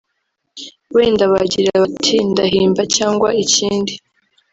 wenda bagira bati ndahimba cyangwa ikindi